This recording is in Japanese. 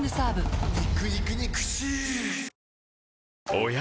おや？